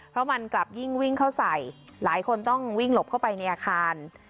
เพราะมันกลับยิ่งวิ่งเข้าใส่หลายคนต้องวิ่งหลบเข้าไปในอาคาร